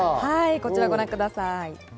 こちらをご覧ください。